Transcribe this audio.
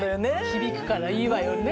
響くからいいわよね。